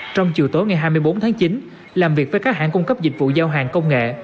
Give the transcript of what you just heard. trong chiều tối ngày hai mươi bốn tháng chín làm việc với các hãng cung cấp dịch vụ giao hàng công nghệ